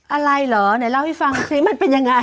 อะไรเหรอไหนเล่าให้ฟังสิมันเป็นยังไง